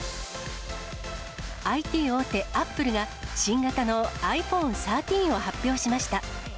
ＩＴ大手、アップルが新型のｉＰｈｏｎｅ１３を発表しました。